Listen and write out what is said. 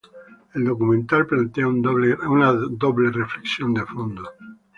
El documental plantea una doble reflexión de fondo.